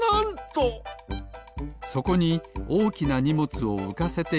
そこにおおきなにもつをうかせていどうさせます。